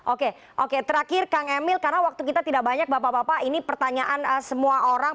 oke oke terakhir kang emil karena waktu kita tidak banyak bapak bapak ini pertanyaan semua orang